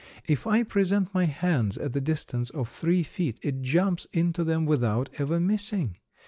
If I present my hands at the distance of three feet it jumps into them without ever missing.